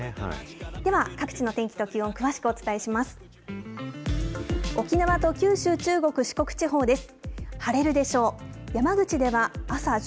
では、各地の天気と気温、詳しくお伝えします。